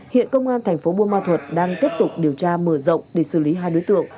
hiện công an thành phố buôn ma thuật đang tiếp tục điều tra mở rộng để xử lý hai đối tượng